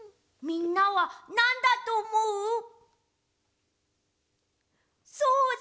みんなはなんだとおもう？